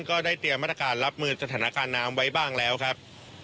ก็ได้เตรียมมาตรการรับมือสถานการณ์น้ำไว้บ้างแล้วครับ